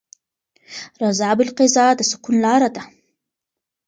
رضا بالقضا د سکون لاره ده.